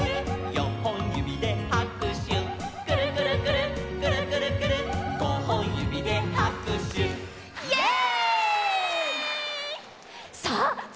「よんほんゆびではくしゅ」「くるくるくるっくるくるくるっごほんゆびではくしゅ」イエイ！